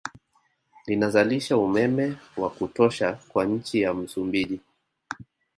Linazalisha umeme wa kutosha kwa nchi ya Msumbiji